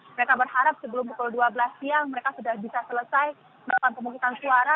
mereka berharap sebelum pukul dua belas siang mereka sudah bisa selesai melakukan pemungutan suara